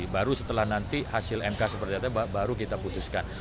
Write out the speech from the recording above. baru setelah nanti hasil mk seperti apa baru kita putuskan